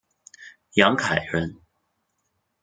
杨凯人。